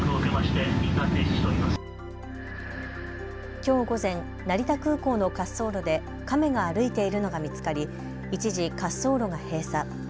きょう午前、成田空港の滑走路でカメが歩いているのが見つかり一時、滑走路が閉鎖。